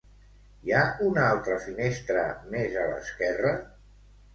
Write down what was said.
Hi ha una altra finestra més a l'esquerra.